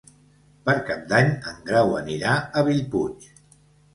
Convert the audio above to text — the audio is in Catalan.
Per Cap d'Any en Grau anirà a Bellpuig.